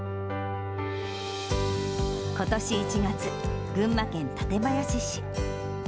ことし１月、群馬県館林市。